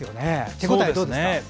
手応え、どうですか。